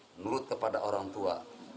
menurut kepada orang tua